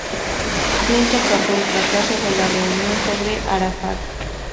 Clinton cargó el fracaso de la reunión sobre Arafat.